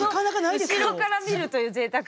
後ろから見るというぜいたく。